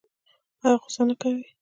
ایا غوسه نه کوي؟